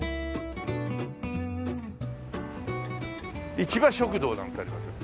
市場食堂なんてありますよ。